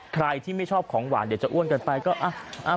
ใครที่ไม่ชอบของหวานเดี๋ยวจะอ้วนกันไปก็อ่ะ